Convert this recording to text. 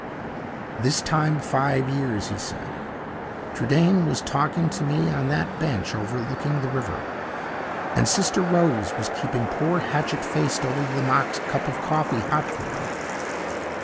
"This time five years," he said, "Trudaine was talking to me on that bench overlooking the river; and Sister Rose was keeping poor hatchet faced old Lomaque's cup of coffee hot for him!